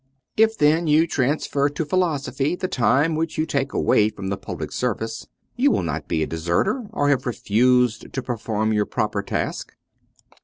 If then you transfer to philosophy the time which you take away from the public service, you will not be a deserter or have refused to perform your proper task.